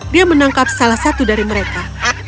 dia menangkap salah satu dari mereka